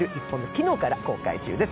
昨日から公開中です。